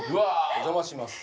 お邪魔します